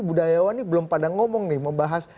budayawan ini belum pada ngomong nih membahas